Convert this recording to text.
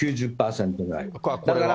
９０％ぐらいは。